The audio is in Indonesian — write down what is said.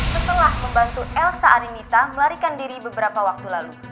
setelah membantu elsa arimita melarikan diri beberapa waktu lalu